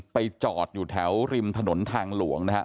จอดอยู่แถวริมถนนทางหลวงนะครับ